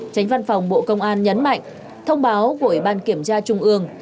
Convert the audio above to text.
tránh văn phòng bộ công an nhấn mạnh thông báo của ủy ban kiểm tra trung ương